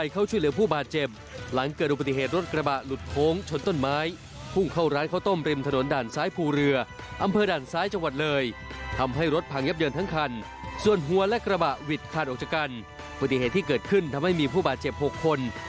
ของโรงพัฒนาโบราชิบาล